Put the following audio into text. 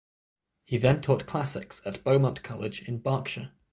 He then taught classics at Beaumont College in Berkshire.